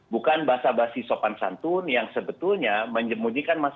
bukan bahasa bahasa sopan santun yang sebetulnya menyemunyikan masyarakat